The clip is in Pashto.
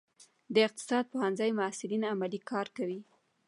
د اقتصاد پوهنځي محصلین عملي کار کوي؟